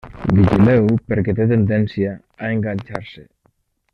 Vigileu perquè té tendència a enganxar-se.